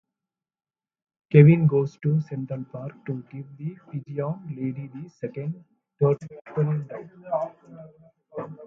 Kevin goes to Central Park to give the pigeon lady the second turtledove.